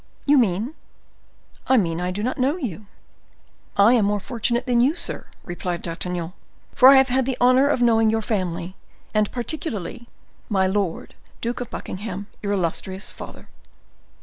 "You mean—" "I mean I do not know you." "I am more fortunate than you, sir," replied D'Artagnan, "for I have had the honor of knowing your family, and particularly my lord Duke of Buckingham, your illustrious father."